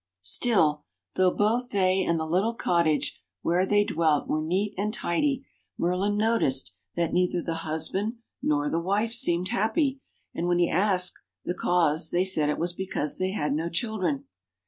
Still, though both they and the little cottage where they dwelt were neat and tidy. Merlin noticed that neither the husband nor the wife seemed happy ; and when he asked the cause they said it was because they had no children.